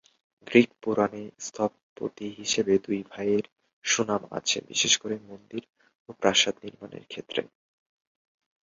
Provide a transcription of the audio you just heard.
Greek পুরাণে স্থপতি হিসেবে দুই ভাইয়ের সুনাম আছে, বিশেষ করে মন্দির ও প্রাসাদ নির্মাণের ক্ষেত্রে।